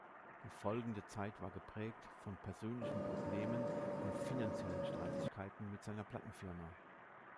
Die folgende Zeit war geprägt von persönlichen Problemen und finanziellen Streitigkeiten mit seiner Plattenfirma.